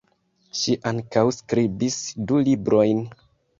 Ŝi ankaŭ skribis du librojn.